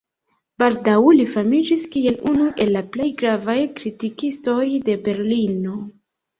Baldaŭ li famiĝis kiel unu el la plej gravaj kritikistoj de Berlino.